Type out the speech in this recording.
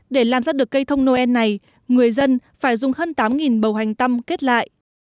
để làm ra được cây thông noel này người dân phải dùng hơn tám bầu hành tâm kết lại